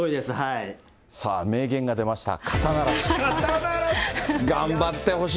名言が出ました。